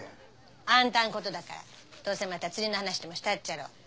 あんたんことだからどうせまた釣りの話でもしたっちゃろ。